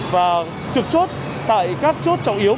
và trực chốt tại các chốt trọng yếu